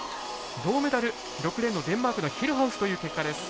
銅メダル６レーンのデンマークのヒルハウスという結果です。